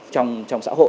trong xã hội